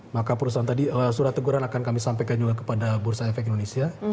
maka perusahaan tadi surat teguran akan kami sampaikan juga kepada bursa efek indonesia